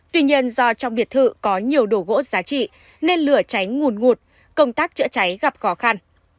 tuy nhiên do trong biệt thự có nhiều đồ gỗ giá trị nên lửa cháy ngùn ngụt công tác chữa cháy gặp khó khăn